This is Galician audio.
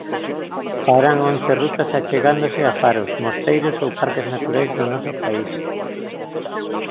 Farán once rutas achegándose a faros, mosteiros ou parques naturais do noso país.